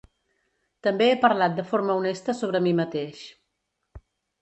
També he parlat de forma honesta sobre mi mateix.